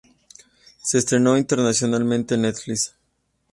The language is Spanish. Se estrenó internacionalmente en Netflix.